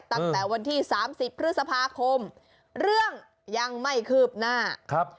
ตั้งแต่วันที่๓๐พฤษภาคมเรื่องยังไม่คืบหน้าครับ